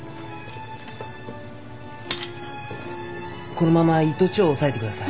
このまま胃と腸を押さえてください。